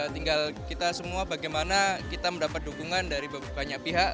tinggal kita semua bagaimana kita mendapat dukungan dari banyak pihak